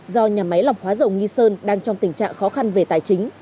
do nhà máy lọc hóa dầu nghi sơn đang trong tình trạng khó khăn về tài chính